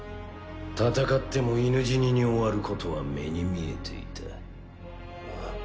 戦っても犬死にに終わることは目に見えていた。